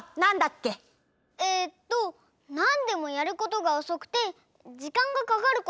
えっとなんでもやることがおそくてじかんがかかること！